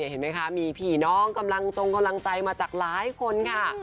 เห็นไหมคะมีผีน้องกำลังจงกำลังใจมาจากหลายคนค่ะ